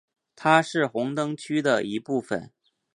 它是红灯区的一部分。